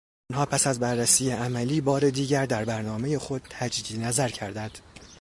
آنها پس از بررسی عملی، بار دیگر در برنامهٔ خود تجدید نظر کردند